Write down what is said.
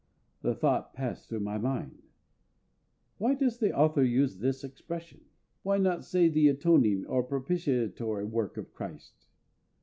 The thought passed through my mind, "Why does the author use this expression? why not say the atoning or propitiatory work of CHRIST?"